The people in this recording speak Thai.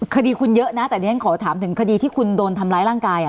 คดีคุณเยอะนะแต่ดิฉันขอถามถึงคดีที่คุณโดนทำร้ายร่างกาย